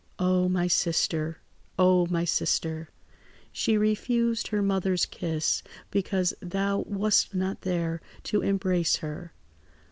"Oh, my sister! Oh, my sister! "She refused her mother's kiss, because thou wast not there to embrace her.